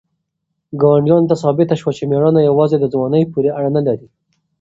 ګاونډیانو ته ثابته شوه چې مېړانه یوازې په ځوانۍ پورې اړه نه لري.